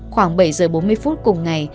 khoảng bảy giờ bốn mươi phút cùng ngày